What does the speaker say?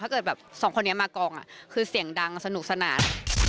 แบบสองคนนี้มากองคือเสียงดังสนุกสนาน